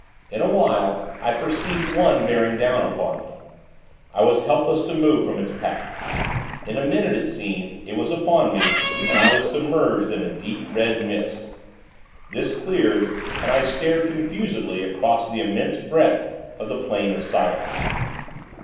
In awhile, I perceived one bearing down upon me. I was helpless to move from its path. In a minute, it seemed, it was upon me, and I was submerged in a deep red mist. This cleared, and I stared, confusedly, across the immense breadth of the Plain of Silence.